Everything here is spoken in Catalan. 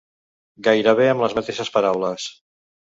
Gairebé amb les mateixes paraules